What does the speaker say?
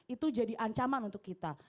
itu jadi ancaman untuk kita